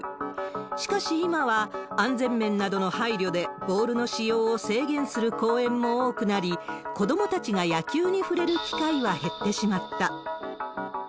しかし今は、安全面などの配慮でボールの使用を制限する公園も多くなり、子どもたちが野球に触れる機会は減ってしまった。